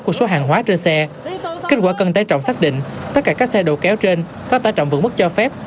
của số hàng hóa trên xe kết quả cân tài trọng xác định tất cả các xe đầu kéo trên có tài trọng vững mức cho phép